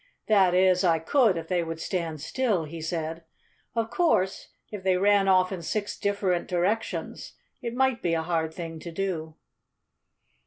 "That is, I could if they would stand still," he said. "Of course, if they ran off in six different directions it might be a hard thing to do."